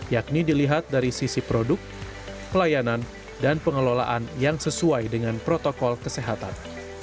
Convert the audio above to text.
yakni dilihat dari sisi produk pelayanan dan pengelolaan yang sesuai dengan protokol kesehatan